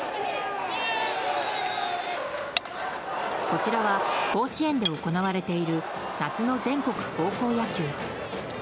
こちらは甲子園で行われている夏の全国高校野球。